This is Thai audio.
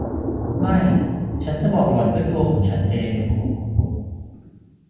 ไม่ ฉันจะบอกหล่อนด้วยตัวของฉันเอง